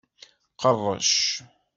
Qerrec.